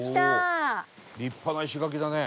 「立派な石垣だね」